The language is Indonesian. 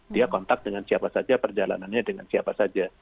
dia kontak dengan siapa saja perjalanannya dengan siapa saja